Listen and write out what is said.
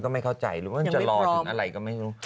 ไม่เข้าใจหรือว่ามันจะรอถึงอะไรก็ไม่รู้